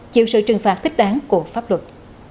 chịu sự trừng phạt thích đáng của pháp luật